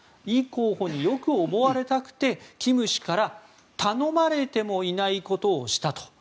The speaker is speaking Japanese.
イ候補によく思われたくてキム氏から頼まれてもいないことをしたと。